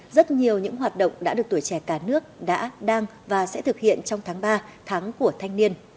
rất nhiều những hoạt động đã được tuổi trẻ cả nước đã đang và sẽ thực hiện trong tháng ba tháng của thanh niên